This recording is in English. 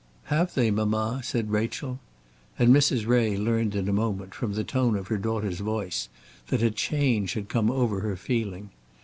"Have they, mamma?" said Rachel. And Mrs. Ray learned in a moment, from the tone of her daughter's voice, that a change had come over her feeling.